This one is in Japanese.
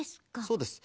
そうです。